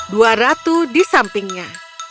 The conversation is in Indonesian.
dua ratu di sampingnya